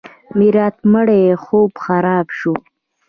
میرات مړی خوب خراب شو.